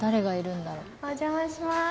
お邪魔します。